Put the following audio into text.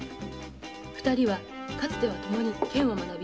二人はかつてはともに剣を学び